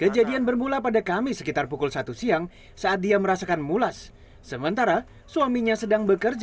jadi pakai akun tetangga aku pakai gokar